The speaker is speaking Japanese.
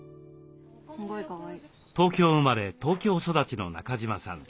東京生まれ東京育ちの中島さん。